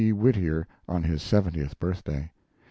Whittier on his seventieth birthday.